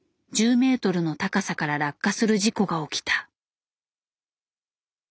１０ｍの高さから落下する事故が起きた。